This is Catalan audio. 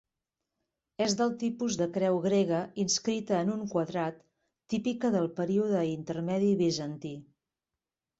És del tipus de creu grega inscrita en un quadrat, típica del període intermedi Bizantí.